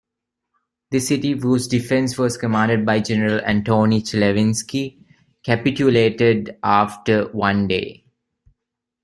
The city, whose defense was commanded by General Antoni Chlewinski, capitulated after one day.